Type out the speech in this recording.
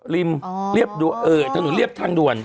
ริมเรียบด่วนเออถนนเรียบทางด่วน